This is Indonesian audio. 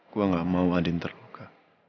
gue gak mau adin terluka